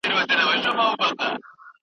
تعليم د ژوند مهارتونه رانغاړي.